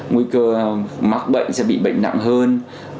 nguy cơ mắc bệnh sẽ bị bệnh nặng hơn